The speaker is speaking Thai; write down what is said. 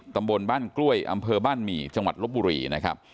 ตำบลบ้านกล้วยอำเภอบ้านหมี่จังหวัดลบบุรีนะครับ